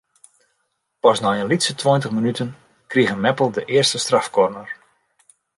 Pas nei in lytse tweintich minuten krige Meppel de earste strafkorner.